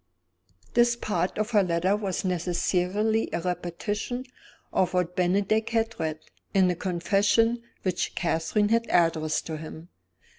This part of her letter was necessarily a repetition of what Bennydeck had read, in the confession which Catherine had addressed to him.